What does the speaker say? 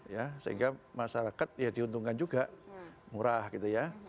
ya sehingga masyarakat ya diuntungkan juga murah gitu ya